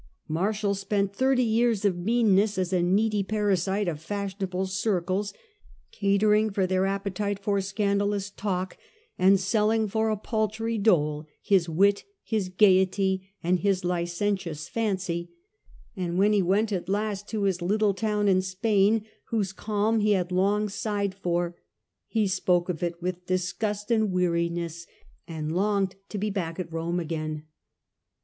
Martial spent thirty years of meanness as a needy parasite of fashionable circles, catering for their appetite for scandalous talk, and selling for a paltry dole his wit, his gaiety, and his licentious fancy ; and when he went at last to his little town in Spain whose calm he had long sighed for, he spoke of it with disgust 1 84 The Earlier Empire. and weariness, and longed to be back at Rome again.